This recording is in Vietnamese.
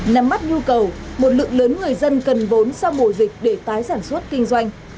nắm mắt nhu cầu một lượng lớn người dân cần vốn sau mùa dịch để tái sản xuất kinh doanh